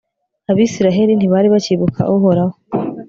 abayisraheli ntibari bacyibuka uhoraho